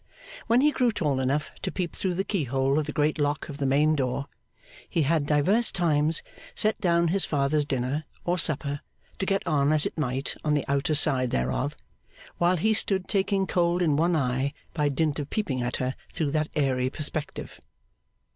When he grew tall enough to peep through the keyhole of the great lock of the main door, he had divers times set down his father's dinner, or supper, to get on as it might on the outer side thereof, while he stood taking cold in one eye by dint of peeping at her through that airy perspective.